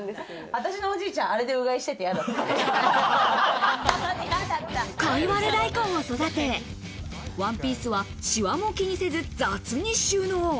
私のおじいちゃん、あれで、カイワレ大根を育て、ワンピースはシワも気にせず雑に収納。